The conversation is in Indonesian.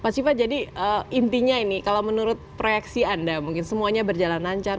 pak siva jadi intinya ini kalau menurut proyeksi anda mungkin semuanya berjalan lancar